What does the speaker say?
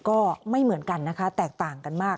ก็ไม่เหมือนกันนะคะแตกต่างกันมาก